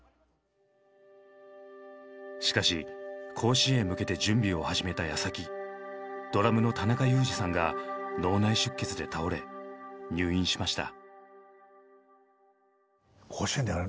しかし甲子園へ向けて準備を始めたやさきドラムの田中裕二さんが脳内出血で倒れ入院しました。